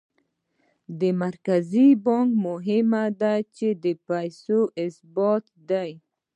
د مرکزي بانک مهمه دنده د پیسو ثبات دی.